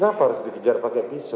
kenapa harus dikejar pakai pisau